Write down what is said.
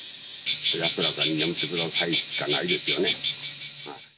安らかに眠ってくださいしかないですよね。